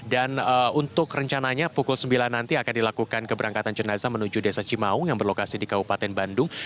dan untuk rencananya pukul sembilan nanti akan dilakukan keberangkatan jenazah menuju desa cimaung yang berlokasi di kabupaten bandung